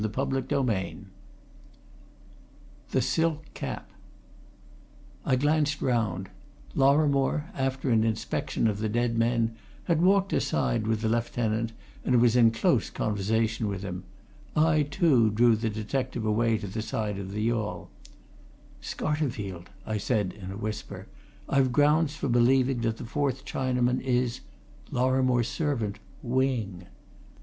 CHAPTER XXIV THE SILK CAP I glanced round; Lorrimore, after an inspection of the dead men, had walked aside with the lieutenant and was in close conversation with him. I, too, drew the detective away to the side of the yawl. "Scarterfield," I said in a whisper, "I've grounds for believing that the fourth Chinaman is Lorrimore's servant Wing."